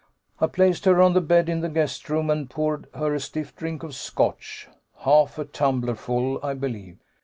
"I placed her on the bed in the guest room and poured her a stiff drink of Scotch half a tumblerful, I believe.